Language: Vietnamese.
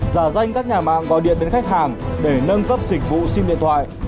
giả danh các nhà mạng gọi điện đến khách hàng để nâng cấp dịch vụ sim điện thoại